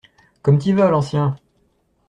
Comme t'y vas, l'ancien!